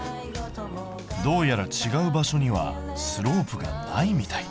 どうやら違う場所にはスロープがないみたい。